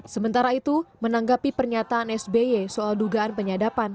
sementara itu menanggapi pernyataan sby soal dugaan penyadapan